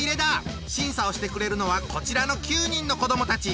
審査をしてくれるのはこちらの９人の子どもたち。